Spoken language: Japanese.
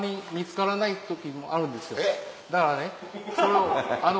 だからねそれをあの。